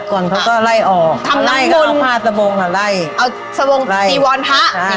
ก่อนแล้วเล่าออกออกแล้วก็ปล่าสมงค์เหล้าสมงค์พีวลภะ